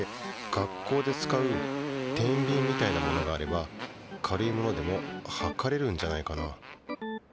学校で使うてんびんみたいなものがあれば軽いものでもはかれるんじゃないかな。